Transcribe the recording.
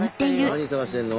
何探してんの？